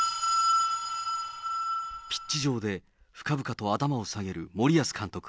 ピッチ上で深々と頭を下げる森保監督。